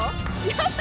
やった！